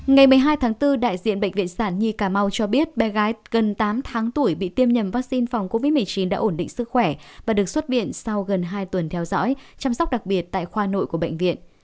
ngày một mươi hai tháng bốn đại diện bệnh viện sản nhi cà mau cho biết bé gái gần tám tháng tuổi bị tiêm nhầm vaccine phòng covid một mươi chín đã ổn định sức khỏe và được xuất viện sau gần hai tuần theo dõi chăm sóc đặc biệt tại khoa nội của bệnh viện